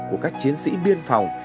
của các chiến sĩ biên phòng